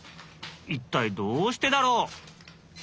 一体どうしてだろう？